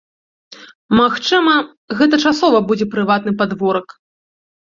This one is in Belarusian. Магчыма, гэта часова будзе прыватны падворак.